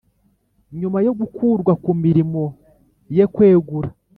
Nyuma yo gukurwa ku mirimo ye kwegura